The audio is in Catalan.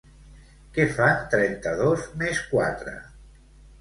Què fan trenta-dos més quatre?